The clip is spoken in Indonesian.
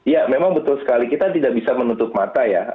ya memang betul sekali kita tidak bisa menutup mata ya